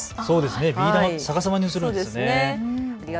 ビー玉、逆さに映るんですね。